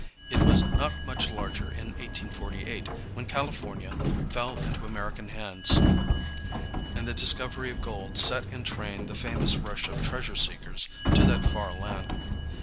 It was not much larger in 1848, when California fell into American hands and the discovery of gold set in train the famous rush of treasure seekers to that far land.